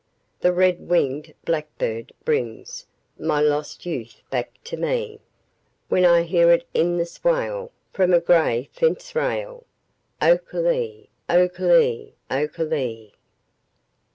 The red winged blackbird brings My lost youth back to me, When I hear in the swale, from a gray fence rail, O ke lee, o ke lee, o ke lee!